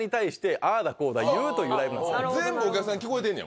全部お客さんに聞こえてんねや。